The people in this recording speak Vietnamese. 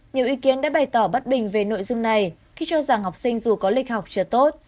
nhiều ý kiến đã bày tỏ bất bình về nội dung này khi cho rằng học sinh dù có lịch học chưa tốt